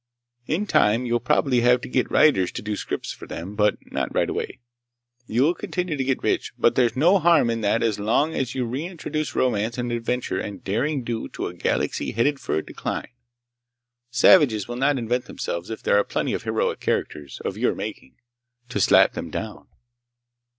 In time you'll probably have to get writers to do scripts for them, but not right away. You'll continue to get rich, but there's no harm in that so long as you re introduce romance and adventure and derring do to a galaxy headed for decline. Savages will not invent themselves if there are plenty of heroic characters—of your making!—to slap them down!"